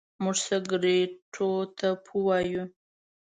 موږ سګرېټو ته پو وايو.